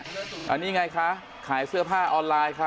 อันนี้ไงคะขายเสื้อผ้าออนไลน์ค่ะ